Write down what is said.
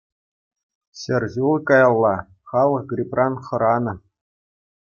Ҫӗр ҫул каялла халӑх гриппран хӑранӑ.